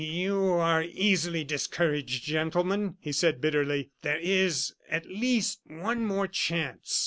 "You are easily discouraged, gentlemen," he said, bitterly. "There is, at least, one more chance."